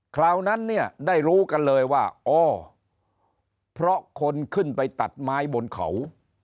คราวนั้นเนี่ยได้รู้กันเลยว่าอ๋อเพราะคนขึ้นไปตัดไม้บนเขา